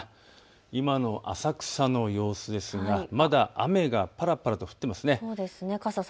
今の浅草の様子ですがまだ雨がぱらぱらと降っていますね。